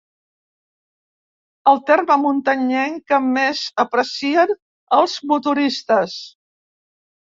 El terme muntanyenc que més aprecien els motoristes.